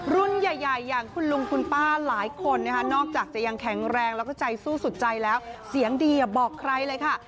รุ่นใหญ่อย่างคุณลุงคุณป้าหลายคนนะคะนอกจากจะยังแข็งแรงแล้วก็ใจสู้สุดใจแล้วเสียงดีอย่าบอกใครเลยค่ะ